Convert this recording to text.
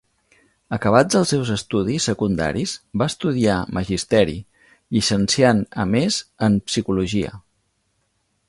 Acabats els seus estudis secundaris, va estudiar Magisteri, llicenciant a més en Psicologia.